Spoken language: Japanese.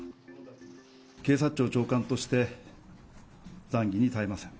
警察庁長官として、ざんきに堪えません。